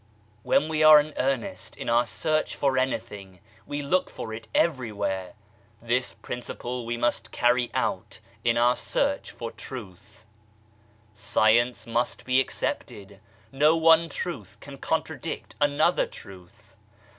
When we are in earnest in our search for anything we look for it everywliejre. This Principle we must carry out in our search for Truth. UNITY OF MANKIND 127 Science must be accepted. No one Truth can con tradict another Truth.